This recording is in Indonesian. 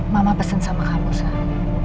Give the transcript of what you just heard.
mama pesen sama kamu saya